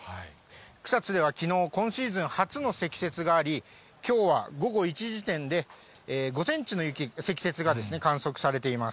草津ではきのう、今シーズン初の積雪があり、きょうは午後１時時点で、５センチの積雪がですね、観測されています。